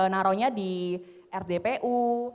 naronya di rdpu